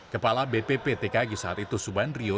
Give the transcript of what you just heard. kepala bpptkg saat itu subandrio